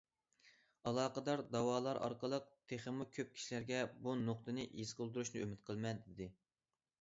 ئالاقىدار دەۋالار ئارقىلىق تېخىمۇ كۆپ كىشىلەرگە بۇ نۇقتىنى ھېس قىلدۇرۇشنى ئۈمىد قىلىمەن، دېدى.